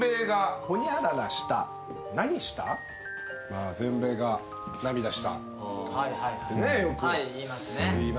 まあ「全米が涙した」よく言いますね。